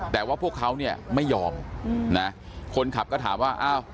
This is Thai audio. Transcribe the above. แต่ว่าพวกเขาไม่ยอมคนขับก็ถามว่า